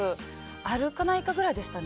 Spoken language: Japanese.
あるかないかくらいでしたね。